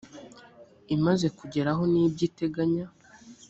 imaze kugeraho n ibyo iteganya